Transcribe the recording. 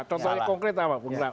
contohnya konkret apa